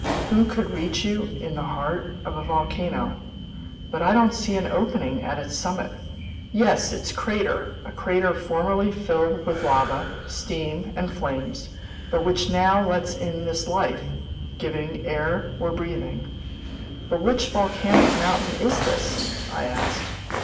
Who could reach you in the heart of a volcano? But don't I see an opening at its summit?" "Yes, its crater, a crater formerly filled with lava, steam, and flames, but which now lets in this life giving air we're breathing." "But which volcanic mountain is this?" I asked.